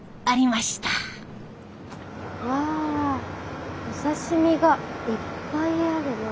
わお刺身がいっぱいあるな。